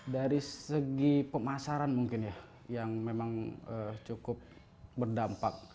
dari segi pemasaran mungkin ya yang memang cukup berdampak